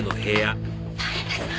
大変です！